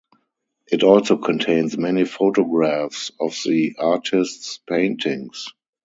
It also contains many photographs of the artist's paintings.